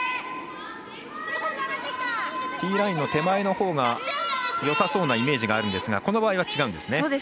ティーラインの手前のほうがよさそうなイメージがあるんですがこの場合は違うんですね。